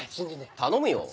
頼むよ。